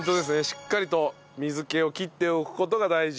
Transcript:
しっかりと水気を切っておく事が大事。